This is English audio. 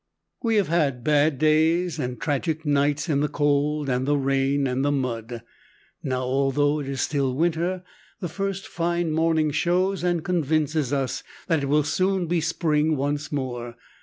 We have had bad days and tragic nights in the cold and the rain and the mud. Now, although it is still winter, the first fine morning shows and convinces us that it will soon be spring once more.